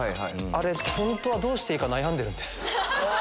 あれ本当はどうしていいか悩んでるんです。